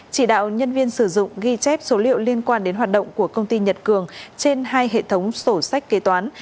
chỉ đạo nhân viên sử dụng ghi chép số liệu liên quan đến hoạt động của công ty nhật cường trên hai hệ thống sổ sách kế toán